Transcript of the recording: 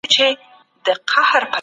اقتصادي پرمختګ څنګه څېړل کېږي؟